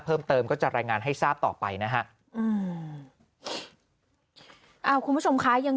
เพิ่มเติมก็จะรายงานให้ทราบต่อไปนะฮะอืมอ่าคุณผู้ชมคะยัง